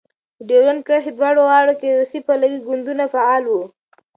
د ډیورند کرښې دواړو غاړو کې روسي پلوی ګوندونه فعال وو.